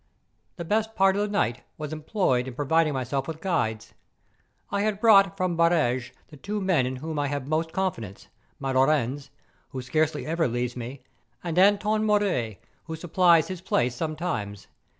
The best part of the night was employed in pro¬ viding myself wdth guides. I had brought from Bareges the two men in whom I have most con MONT PERDU. 129 fidence, my Laurens, who scarcely ever leaves me, and Antoine Moure, who supplies his place some¬ times.